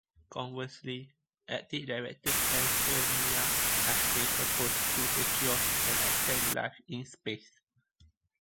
Conversely, active directed panspermia has been proposed to secure and expand life in space.